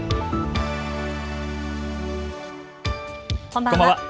こんばんは。